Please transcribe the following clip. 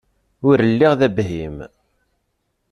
Ur lliɣ d abhim.